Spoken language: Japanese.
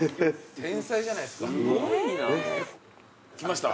天才じゃないですか。来ました。